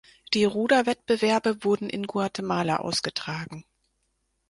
Die Ruderwettbewerbe wurden in Guatemala ausgetragen.